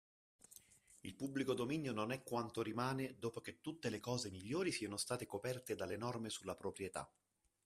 Il pubblico dominio non è quanto rimane dopo che tutte le cose migliori siano state coperte dalle norme sulla proprietà.